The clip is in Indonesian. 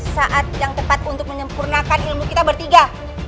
saat yang tepat untuk menyempurnakan ilmu kita bertiga